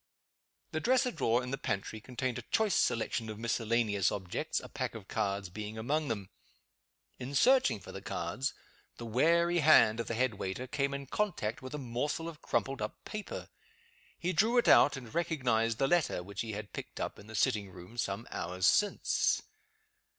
The dresser drawer in the pantry contained a choice selection of miscellaneous objects a pack of cards being among them. In searching for the cards, the wary hand of the head waiter came in contact with a morsel of crumpled up paper. He drew it out, and recognized the letter which he had picked up in the sitting room some hours since.